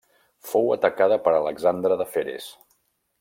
Fou atacada per Alexandre de Feres.